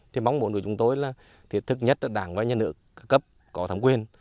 thì mong muốn của chúng tôi là thực nhất là đảng và nhân ước cấp có thống quyền